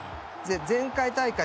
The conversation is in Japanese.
前回大会